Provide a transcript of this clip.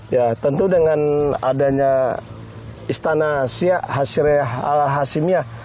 ya tentu dengan adanya istana siak al hasimiah